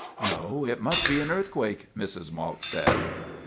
"No, it must be an earthquake," Mrs. Mault said.